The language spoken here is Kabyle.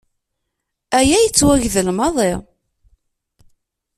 Aya yettwagdel maḍi.